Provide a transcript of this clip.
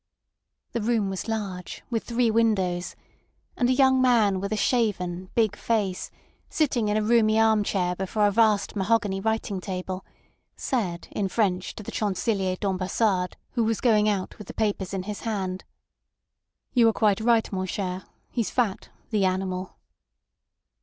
The room was large, with three windows; and a young man with a shaven, big face, sitting in a roomy arm chair before a vast mahogany writing table, said in French to the Chancelier d'Ambassade, who was going out with the papers in his hand: "You are quite right, mon cher. He's fat—the animal."